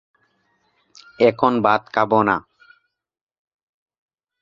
Central blood bank of West Bengal government Maniktala crossing এ অবস্থিত।